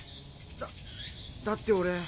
だだって俺。